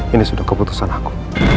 ini sudah keputusan aku